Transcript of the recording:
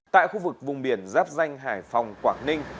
tại khu vực vùng biển giáp danh hải phòng quảng ninh